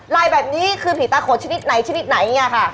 ลายแบบนี้คือผีตาโขดชนิดไหนชนิดไหนเนี่ยค่ะ